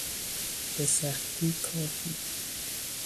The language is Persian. به سختی کافی